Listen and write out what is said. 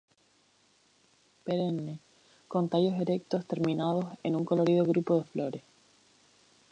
Perenne, con tallos erectos terminados en un colorido grupo de flores.